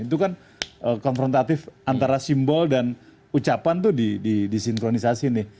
itu kan konfrontatif antara simbol dan ucapan tuh disinkronisasi nih